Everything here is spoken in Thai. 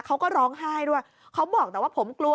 เขาก็ร้องไห้ด้วยเขาบอกแต่ว่าผมกลัว